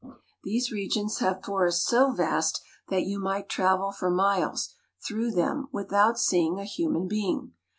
These re gions have forests so vast that you might travel for miles through them without seeing a human being.